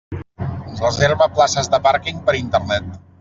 Reserva places de pàrquing per Internet.